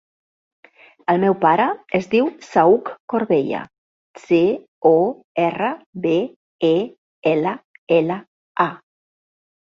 El meu pare es diu Saüc Corbella: ce, o, erra, be, e, ela, ela, a.